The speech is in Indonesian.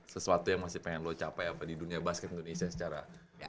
sesuatu yang masih pengen lo capai apa di dunia basket indonesia secara